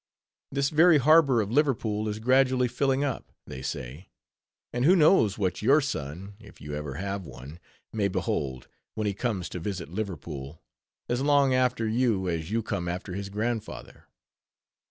This very harbor of Liverpool is gradually filling up, they say; and who knows what your son (if you ever have one) may behold, when he comes to visit Liverpool, as long after you as you come after his grandfather.